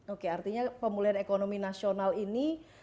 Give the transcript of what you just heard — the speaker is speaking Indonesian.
oke artinya pemulihan ekonomi nasional ini